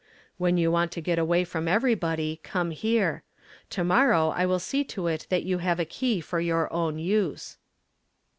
" When you want to get away from everybody, come here. To morrow I will see to It that you have a key for your own use."